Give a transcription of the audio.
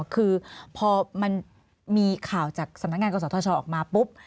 คือพอมันมีข่าวจากสำนักงานกศธชออกมาปุ๊บ